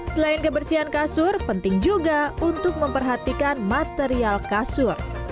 selain kebersihan kasur penting juga untuk memperhatikan material kasur